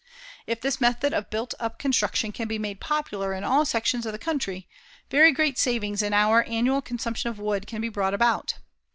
If this method of built up construction can be made popular in all sections of the country, very great savings in our annual consumption of wood can be brought about.